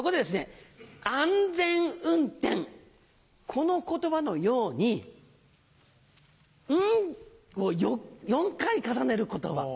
この言葉のように「ん」を４回重ねる言葉。